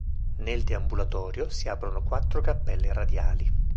Nel deambulatorio, si aprono quattro cappelle radiali.